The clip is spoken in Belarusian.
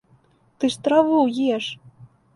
Ты ж траву еш!